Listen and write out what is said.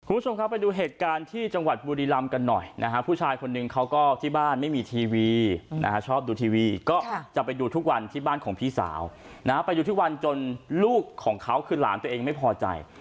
คุณผู้ชมครับไปดูเหตุการณ์ที่จังหวัดบุรีรำกันหน่อยนะฮะผู้ชายคนนึงเขาก็ที่บ้านไม่มีทีวีนะฮะชอบดูทีวีก็จะไปดูทุกวันที่บ้านของพี่สาวนะฮะไปดูทุกวันจนลูกของเขาคือหลานตัวเองไม่พอใจ